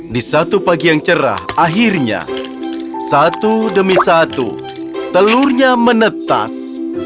di satu pagi yang cerah akhirnya satu demi satu telurnya menetas